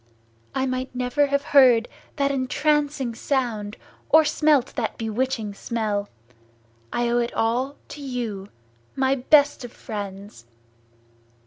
I might never have heard that entrancing sound, or smelt that bewitching smell! I owe it all to you, my best of friends!"